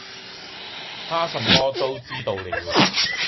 他什麼都知道了